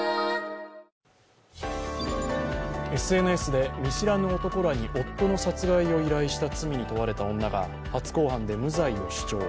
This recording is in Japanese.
ＳＮＳで見知らぬ男らに夫の殺害を依頼した罪に問われた女が初公判で無罪を主張。